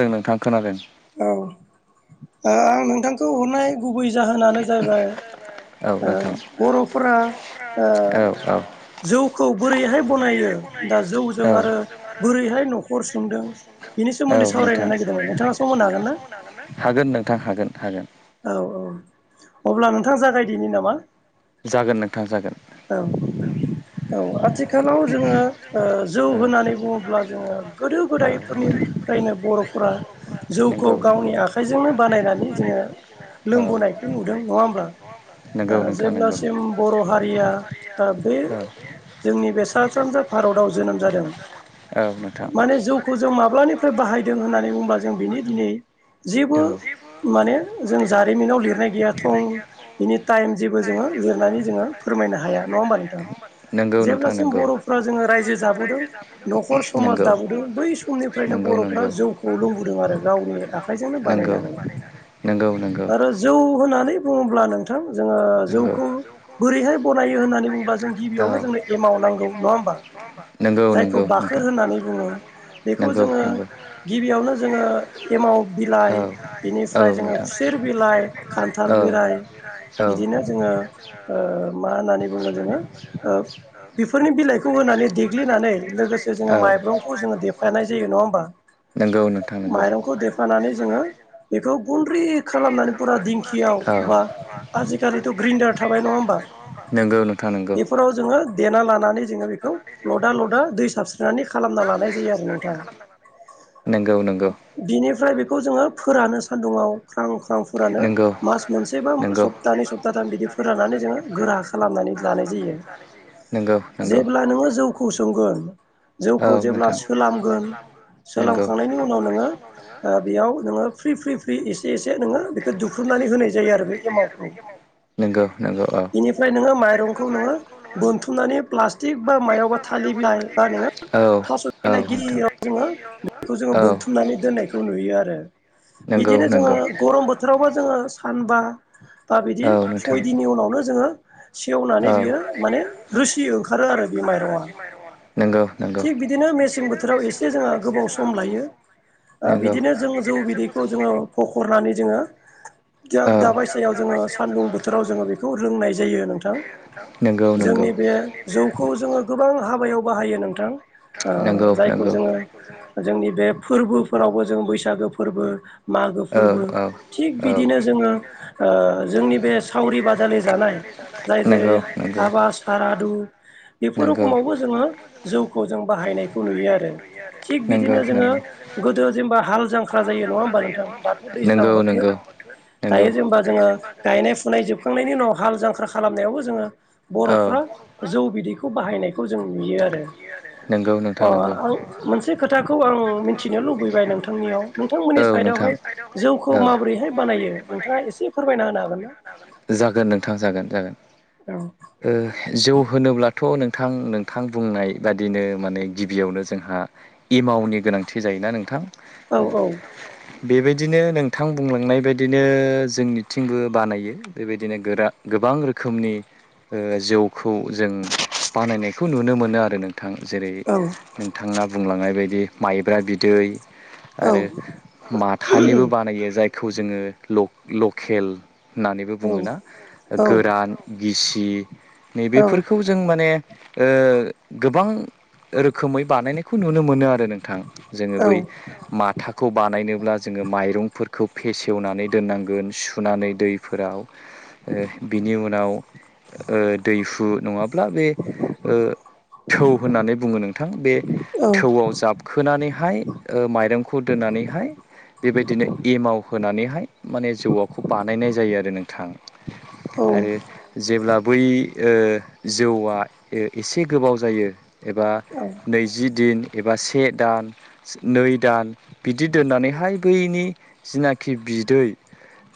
दों नोंथां खोनादों औ आं नोंथांखौ हरनाय गुबै जाहोनानो जाहैबाय ओ बर'फ्रा ओ जौखौ बोरैहाय बनायो दा जौजों आरो बोरैहाय न'खर संदों बेनि सोमोन्दै सावरायनो नागिरदोंमोन नोंथाङा हागोन नोंथां हागोन हागोन औ औ अब्ला नोंथां जागायदोनि नामा जागोन नोंथां जागोन औ आथिखालाव जोङो जौ होननानै बुङोब्ला जोङो गोदो गोदायफोरनि फ्रायनो बर'फोरा जौखौ गावनि आखाइजोंनो बानायनानै जोङो लोंबोनायखौ नुदों नङा होमब्ला दा जेब्लासिम बर' हारिया ओ बे जोंनि बे सा सानजा भारताव जोनोम जादों माने जौखौ जों माब्लानिफ्राय बाहायदों होननानै बुंबा जों बिनि दिनै जेबो माने जों जारिमिनाव लिरनाय गैया थं बिनि टाइम जेबो जों जोङो लिरनानै जोङो फोरमायनो हाया नङा होनबा नोंथां जेब्लासिम बर'फोरा जोङो रायजो न'खर समाज दाबोदों बै समनिफ्रायनो बर'फ्रा जौखौ लोंबोदों आरो गावनि आखाइ खाइजोंनो बानायनानै नोंगौ नोंगौ बर' होननानै बुङोब्ला नोंथां जोङो जौखौ बोरैहाय बनायो होननानै बुङोबा जों गिबियावनो जोंनो एमाव नांगौ नङा होमबा जायखौ बाखोर होननानै बुङो बेखौ जोङो गिबियावनो जोङो एमाव बिलाइ बिनि ओमफ्राय जोङो खुसेर बिलाइ खान्थाल बिलाइ बिदिनो जोङो ओ मा होननानै बुङो जोङो बेफोरनि बिलाइखौ होनानै देग्लि नानै लोगोसे जोङो माइरंखौ जोङो देफानाय जायो नङा होमबा माइरंखौ देफानानै जोङो बेखौ गन्द्रि खालामनानै फुरा दिंखियाव बा आजिखालिथ' ग्रिनडार थाबाय नङा होमबा बेफोराव जोङो देना लानानै जोङो बेखौ लदा लदा दै साबस्रि नानै खालामना लानाय जायो आरो नोंथां बिनिफ्राय बेखौ खौ जोङो फोरानो सान्दुंआव ख्रां ख्रां फोरानो मास मोनसे बा सप्तानै सप्ताथाम बिदि फोराननानै जोङो गोरा खालामनानै जानाय जायो जेब्ला नोङो जौखौ संगोन। जौखौ जेब्ला सोलामगोन सोलामखांनायनि उनाव नोङो बेयाव नोङो। फ्रि फ्रि फ्रि एसे एसे नोङो बेखौ दुख्रुबनानै होनाय जायो आरो बे एमावखौ। बेनिफ्राय नोङो माइरंखौ नोङो बोनथुमनानै थिग बा मायावबा थालिर बिलाइ बा नोङो। थास' बिलाइ गिदिराव जोङो बेखौ जोङो बोनथुमनानै दोननायखौ नुयो आरो बिदिनो जोङो गरम बोथोरावबो जोङो सानबा। दा बिदि सय दिननि उनावनो जोङो। सेवनानै बियो माने रोसि ओंखारो आरो बे माइरङा। थिग बिदिनो मेसें बोथोराव एसे जोंहा गोबाव सम लायो। ओ बिदिनो जों जौ बिदैखौ जोङो फखरनानै जोङो। दा बायसायाव जोङो सानदुं बोथोराव जोङो बेखौ रोंनाय जायो नोंथां जोंनि। बे जौखौ जोङो गोबां हाबायाव बाहायो नोंथां ओ जायखौ जोङो जोंनि बे फोरबोफोरावबो जों बैसागो फोरबो। मागो फोरबो थिग बिदिनो ओ जोङो जोंनि बे सावरि बादालि जानाय जाय जेरै हाबा सारादु बेफोर रखमावबो जोङो जौखौ जों बाहायनायखौ नुयो आरो थिग बिदिनो जोङो गोदो जेनेबा हाल जांख्रा ख्रा जायो नङा होमबा नोंथां दाथ' दैज्लां बोथोर दायो जेनेबा जोङो गायनाय फुनाय जोबखांनायनि उनाव हाल जांख्रा। खालामनायावबो जोङो बर'फ्रा जौ बिदैखौ बाहायनाय। जों नुयो आरो मोनसे खोथाखौ आं। मिथिनो लुबैबाय नोंथांनियाव नोंथांमोननि साइदआवहाय जौखौ माबोरैहाय बानायो नोंथाङा एसे फोरमायना होनो हागोन ना? जागोन नोंथां जागोन दे। ओ जौ होनोब्लाथ' नोंथां नोंथां बुंनाय बादिनो माने गिबियावनो जोंहा एमावनि गोनांथि जायोना नोंथां। औ औ। बेबायदिनो नोंथां बुंलांनाय बायदिनो जोंनिथिंबो बानायो बेबायदिनो गोरा गो गोबां रोखोमनि जौखौ जों बानायनायखौ नुनो मोनो आरो नों नोंथां जेरै नोंथांना बुंलांनाय बायदि माइब्रा बिदै आरो माथानिबो बानायो जायखौ जोङो लकेल होननानैबो बुङोना गोरान, गिसि नै बेफोरखौ जों माने ओ गोबां रोखोमै बानायनायखौ नुनो मोनो आरो नोंथां। जोङो बै माथाखौ बानायनोब्ला जोङो माइरंफोरखौ फेसेवनानै दोननांगोन सुनानै दैफोराव ओ बिनि उनाव दैहु नङाब्ला बे ओ थौ होननानै बुङो नोंथां बे थौआव जाबखोनानै माइरंखौ दोननानैहाय बेबायदिनो एमाव होनानैहाय माने जौवाखौ बानायनाय जायो आरो नोंथां आरो जेब्ला बै जौआ एसे गोबाव जायो। एबा नैजि दिन एबा से दान नै दान बिदि दोननानैहाय बैनि जिनाखि बिदै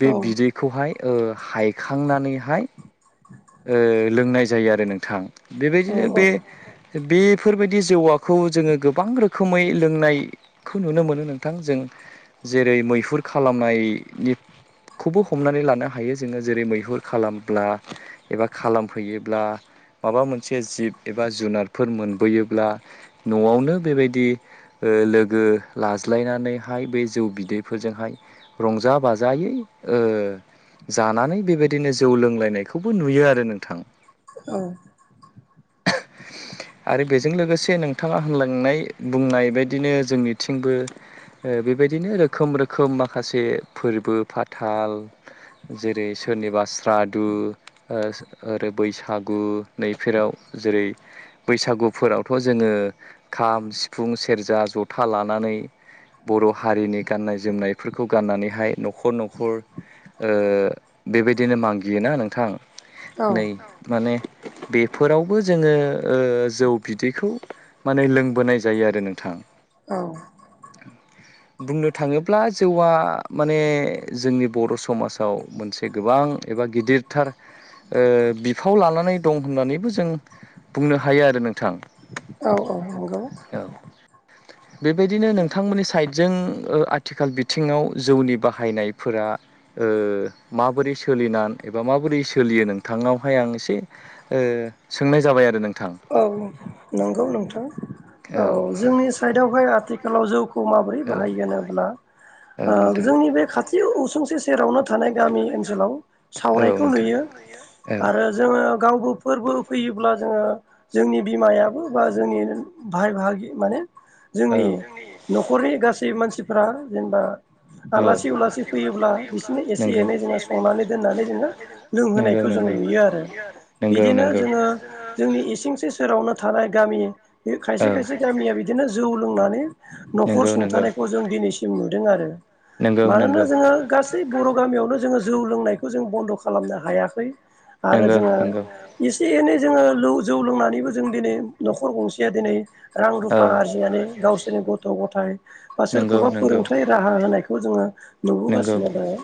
बे बिदैखौहाय हायखांनानैहाय लोंनाय जायो आरो नोंथां बेबायदिनो बे बेफोरबायदि जौवाखौ जोङो गोबां रोखोमै लोंनायखौ नुनो मोनो नोंथां जेरै मैहुर खालामनायनि खौबो हमनानै लानो हायो जोङो जेरै मैहुर खालामब्ला एबा खालामफैयोब्ला माबा मोनसे जिब एबा जुनारफोर मोनबोयोब्ला न'आवनो बेबायदि लोगो लाज्लायनानैहाय बे जौ बिदैफोरजोंहाय रंजा बाजायै जानानै बेबायदिनो जौ लोंलायनायखौ बो नुयो आरो नोंथां औ [unintelligible] आरो बेजों लोगोसे नोंथाङा होनलांनाय बुंनाय बायदिनो जोंनिथिंबो बेबायदिनो रोखोम रोखोम माखासे फोरबो फाथाल जेरै सोरनिबा स्रादु ओरै बैसागु नैफोराव जेरै बैसागुफोरावथ' जों जोङो खाम सिफुं सेरजा जथा लानानै बर' हारिनि गाननाय जोमनायफोरखौ गाननानैहाय न'खर न'खर ओ बेबायदिनो मागियोना नोंथां नै माने बेफोरावबो जोङो जौ बिदैखौ माने लोंबोनाय जायो आरो नोंथां औ बुंनो थाङोब्ला जौआ माने जोंनि बर' समाजाव मोनसे गोबां एबा गिदिरथार बिफाव लानानै दं होननानैबो जों बुंनो हायो आरो नोंथां औ-औ नंगौ बेबायदिनो नोंथांमोननि साइदजों आथिखाल बिथिङाव जौनि बाहायनायफोरा माबोरै सोलिनानै एबा माबोरै सोलियो नोंथांनावहाय आं एसे सोंनाय जाबाय आरो नों औ नंगौ नोंथां औ जोंनि साइदावहाय आथिखालाव जौ माबोरै बाहायो होनोब्ला जोंनि बे खाथि उसुंसे सेरावनो थानाय गामि ओनसोलाव सावनायखौ नुयो आरो जोङो गावबो फोरबो फैयोब्ला जोंङो जोंनि बिमायाबो बा जोंनि भाय बाहागि माने जोंनि न'खरनि गासै मानसिफ्रा जेनेबा आलासि उलासि फैयोब्ला बिसोरनो एसे एनै जोंङो संनानै दोननानै जोंङो लोंहोनायखौ जों नुयो आरो बिदिनो जोंङो इसेसो आव थानाय गामि बे खायसे खायसे गामिया बिदिनो जौ लोंनानै न'खर सुंथानायखौ जों दिनैसिम नुदों आरो मानोना जोंङो गासै बर' गामियावनो जोंङो जौ लोंनायखौ जों बन्द' खालामनो हायाखै आरो जोंङो एसे एनै जोङो जौ लोंनानैबो जों दिनै न'खर गंसेया दिनै रां रुफा आरजिनानै गावसोरनि गथ' गथाय बा सोरखौबा फोरोंथाइ राहा होनायखौ जोंङो नुबोगासिनो दंङो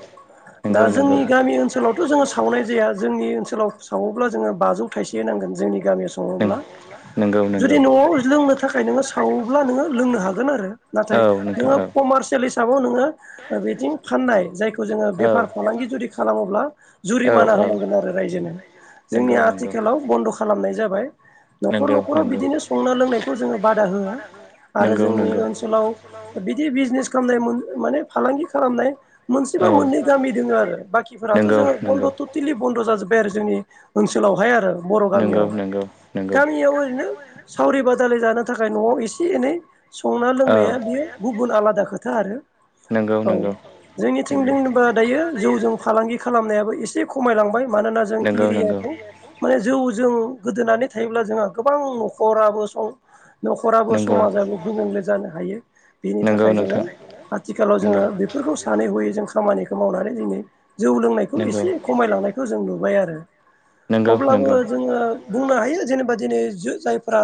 दा जोंनि गामि ओनसोलावथ' जोंङो सावनाय जाया जोंनि ओनसोलाव सावोब्ला जोंङो बाजौ थाइसे होनांगोन जोंनि गामियाव संङोब्ला जुदि न'आव लोंनो थाखाय नोङो सावोब्ला नोंङो लोंनो हागोन आरो नाथाय नोंङो प्रमान पार्सेल हिसाबाव नोंङो बेथिं फाननाय खौ जोंङो बेफार फालांगि जुदि खालामोब्ला जुरिमाना होनांगोन आरो रायजोनो जोंनि आथिखालाव बन्द' खालामनाय जाबाय न'खर न'खराव बिदिनो संना लोंनायखौ जोंङो बादा होआ आरो जोंनि ओनसोलाव बिदि बिजनेस खालामनाय माने फालांगि खालामनाय मोनसेबा मोननै गामि दोंङो आरो बाखिफोराथ' जोंङो बन्द' टटेलि बन्द' जाजोब ओनसोलावहाय आरो बर' गामियाव गामियाव ओरैनो सावरि बादालि जानो थाखाय न'आव एसे एनै संना लोंनाया बेयो गुबुन आलादा खोथा आरो औ जोंनिथिं होनबा दायो जौजों फालांगि खालामनायाबो एसे एसे खमायलांबाय मानोना जों एरियाखौ माने जौ जों गोदोनानै थायोब्ला जोंहा गोबां न'खराबो स न'खराबो समाजाबो गुबुंले जानो हायो बेनि थाखाय जोंङो आथिखालाव जोंङो बेफोरखौ सानै हयै जों खामानिखौ मावनानै दिनै जौ लोंनायखौ एसे खमायलांनायखौ जों नुबाय आरो। नंगौ नंगौ। जोंङो बुंनो हायो जेनेबा दिनै जायफ्रा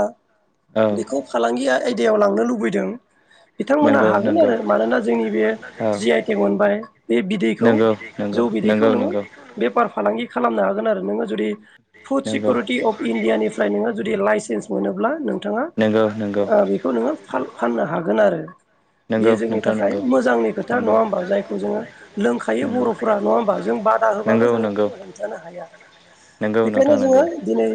बेखौ फालांगिया दैयाव लांनो लुबैदों। बिथांमोना हागोन आरो मानोना जोंनि बे जि आइ टेक मोनबाय बे बिदैखौ। जौ बिदैखौ नोंङो बेफार फालांगि खालामनो हागोन आरो नोङो जुदि फुड सिकिउरिटि अफ इण्डियानिफ्राय नोंङो जुदि लाइसेन्स। मोनोब्ला नोंथांङा ओ बेखौ नोंङो फाननो हागोन आरो। बेयो जोंनि थाखाय मोजांनि खोथा नङा होमबा जायखौ जोंङो लोंखायो बर'फोरा नंङा होमबा जों। बादा होबाबो जों बेखौ हमथानो हाया। नंगौ बेखायनो जोंङो दिनै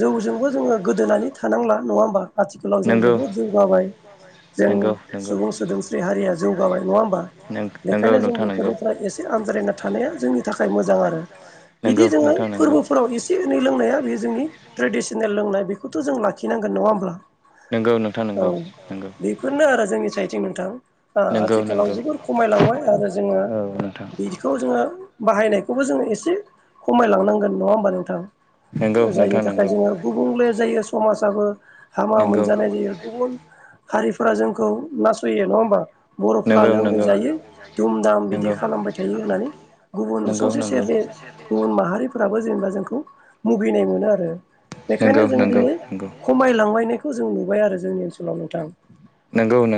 जौजोंबो जोंङो गोदोनानै थानांला नंङा होमबा। आथिखालाव जों बुहुद जौगाबाय जों सुबुं सोदोमस्रि हारिया जौगाबाय नंङा होनबा। बा बेखायनो जों बेफोरनिफ्राय एसे आनज्रायना थानाया जोंनि थाखाय मोजां आरो बिदि जोंङो। फोरबोफोराव एसे एनै लोंनाया बेयो जोंनि ट्रेडिसनेल लोंनाय बेखौथ' जों लाखिनांगोन नङा होमब्ला। नंगौ नोंथां नंगौ। बेफोरनो आरो जोंनि साइथिं नोंथां आथिखालाव जोबोर खमायलांबाय आरो जोंङो बिदिखौ जोंङो बाहायनायखौबो जोंङो एसे खमायलांनांगोन नंङा होमबा नोंथां? औ जायनि थाखाय जोंङो गुबुंले जायो समाजाबो हामा मोनजानाय जायो गुबुन। हारिफोरा जोंखौ नासययो नंङा होमबा? बर'फ्रा लोङै जायो दुम दाम बिदि खालामबाय थायो होननानै। गुबुन उसुंसे सेरनि गुबुन माहारि। जेनेबा जोंखौ मुगैनाय मोनो आरो बेखायनो जों दिनै खमाय लांलायनायखौ। खौ जों नुबाय आरो जोंनि ओनसोलाव नोंथां।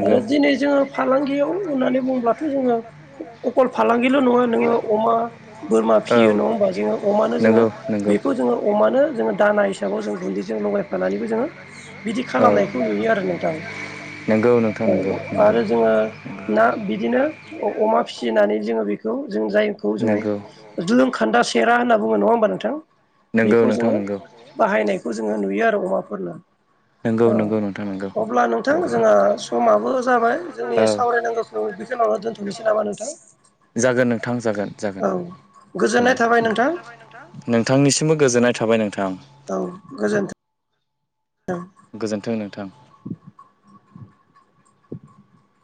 आरो दिनै जोङो फालांगियाव होननानै बुङोबब्लाथ' जोङो अकल फालांगि ल' नङा नोङो अमा बोरमा फियो नङा होमबा जोङो। अमानो जोङो बेखौ जोङो अमानो जोङो। दाना हिसाबाव जों गुन्दैजों लगायफानानैबो जोङो बिदि खालामनायखौ नुयो आरो नोंथां। आरो जोङो ना बिदिनो अमा फिसिनानै। जोङो बेखौ जों जायखौ जोङो जुलों खान्दा सेरा होनना बुङो नङा होमबा नोंथां। बेखौ जोङो बाहायनायखौ जोङो नुयो आरो अमाफोरनो। औ अब्ला नोंथां जोंहा समाबो जाबाय जोंनि सावरायनांगौखौ। औ बेसमावनो दोनथ'नोसै नामा नोंथां। जागोन नोंथां जागोन जागोन जागोन। नोंथांनिसिमबो गोजोननाय थाबाय नोंथां। औ गोजोन्थों। गोजोन्थों नोंथां। [unintelligible]